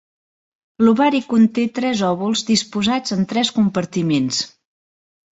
L'ovari conté tres òvuls disposats en tres compartiments.